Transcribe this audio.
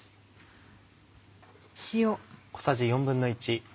塩。